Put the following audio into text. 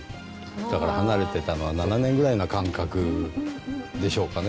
だから離れてたのは７年ぐらいの感覚でしょうかね。